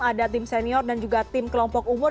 ada tim senior dan juga tim kelompok umur